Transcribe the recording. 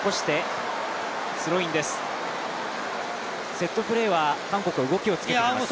セットプレーは韓国は動きをつけてきます。